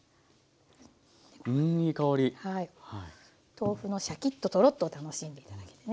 豆腐のシャキッとトロッとを楽しんで頂けてね。